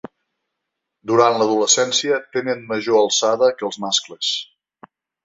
Durant l'adolescència tenen major alçada que els mascles.